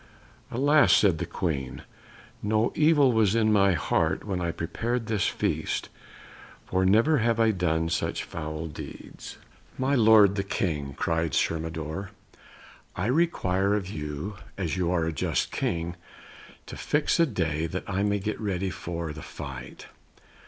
"Alas!" said the Queen, "no evil was in my heart when I prepared this feast, for never have I done such foul deeds." "My lord the King," cried Sir Mador, "I require of you, as you are a just King, to fix a day that I may get ready for the fight!"